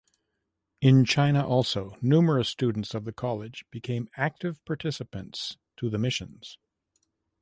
In China also, numerous students of the College became active participants to the missions.